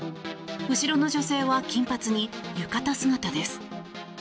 後ろの女性は金髪に浴衣姿です。